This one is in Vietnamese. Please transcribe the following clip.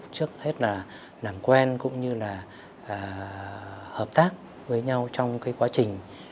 trước hết là làm quen cũng như là hợp tác với nhau trong cái quá trình